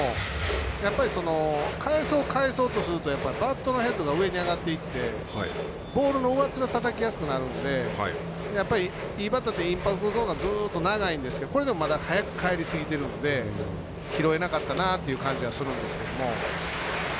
やっぱり返そう返そうとするとバットが上に上がっていってボールの上っ面をたたきやすくなるのでいいバッターはインパクトゾーンがずっと長いんですけどこれがまだ早く返りすぎてるので拾えなかったなという感じはするんですけれども。